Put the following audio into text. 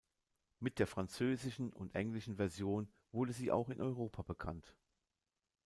Mit der französischen und englischen Version wurde sie auch in Europa bekannt.